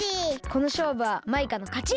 このしょうぶはマイカのかち！